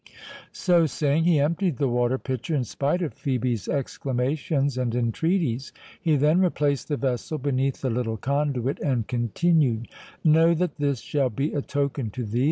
So saying, he emptied the water pitcher, in spite of Phœbe's exclamations and entreaties. He then replaced the vessel beneath the little conduit, and continued:—"Know that this shall be a token to thee.